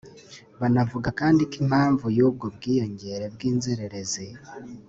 Banavuga kandi ko impamvu y’ubwo bwiyongere bw’inzererezi